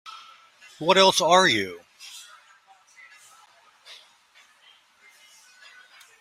What else are you?